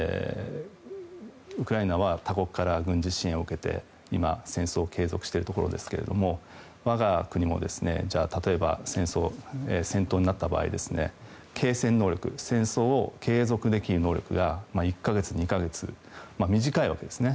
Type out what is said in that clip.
ウクライナは他国から軍事支援を受けて今、戦争を継続しているところですけれども我が国も、じゃあ例えば戦争戦闘になった場合継戦能力戦争を継続できる能力が１か月、２か月短いわけですね。